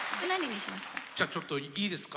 じゃちょっといいですか？